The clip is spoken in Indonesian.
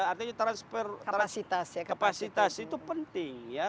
artinya transfer kapasitas itu penting